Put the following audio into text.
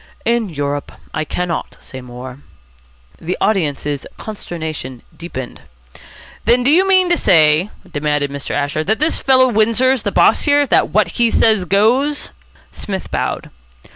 "In Europe. I cannot say more." The audience's consternation deepened. "Then, do you mean to say," demanded Mr. Asher, "that this fellow Windsor's the boss here, that what he says goes?" Psmith bowed.